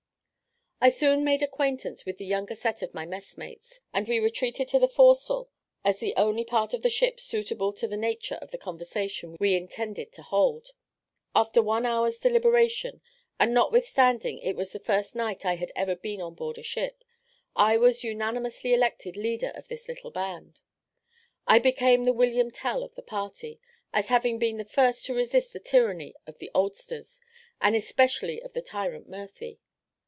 I soon made acquaintance with the younger set of my messmates, and we retreated to the forecastle as the only part of the ship suitable to the nature of the conversation we intended to hold. After one hour's deliberation, and notwithstanding it was the first night I had ever been on board a ship, I was unanimously elected leader of this little band. I became the William Tell of the party, as having been the first to resist the tyranny of the oldsters, and especially of the tyrant Murphy.